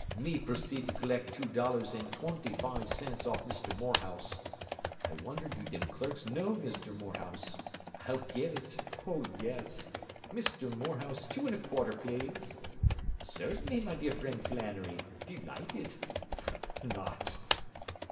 Me proceed to collect two dollars and twinty foive cints off Misther Morehouse! I wonder do thim clerks know Misther Morehouse? I'll git it! Oh, yes! 'Misther Morehouse, two an' a quarter, plaze.' 'Cert'nly, me dear frind Flannery. Delighted!' Not!